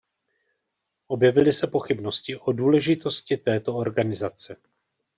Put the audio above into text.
Objevily se pochybnosti o důležitosti této organizace.